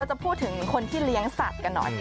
จะพูดถึงคนที่เลี้ยงสัตว์กันหน่อย